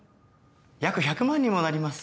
約１００万にもなります。